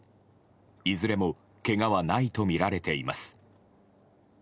いずれもけがはないとみられています。